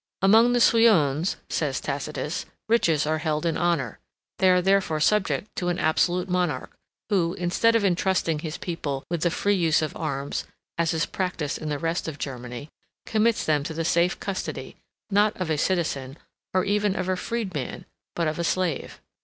"Among the Suiones (says Tacitus) riches are held in honor. They are therefore subject to an absolute monarch, who, instead of intrusting his people with the free use of arms, as is practised in the rest of Germany, commits them to the safe custody, not of a citizen, or even of a freedman, but of a slave.